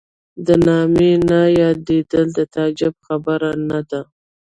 د نامه نه یادېدل د تعجب خبره نه ده.